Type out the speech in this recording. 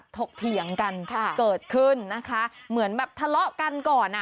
ถียงกันเกิดขึ้นนะคะเหมือนแบบทะเลาะกันก่อนอ่ะ